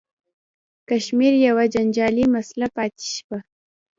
کشمیر یوه جنجالي مسله پاتې شوه.